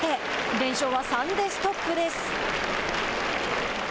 連勝は３でストップです。